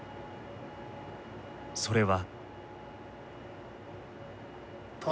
それは。